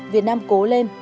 việt nam cố lên